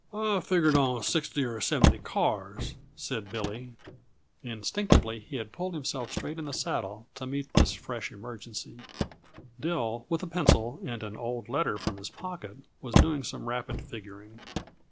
"I figured on sixty or seventy cars," said Billy. Instinctively he had pulled himself straight in the saddle to meet this fresh emergency. Dill, with a pencil and an old letter from his pocket, was doing some rapid figuring.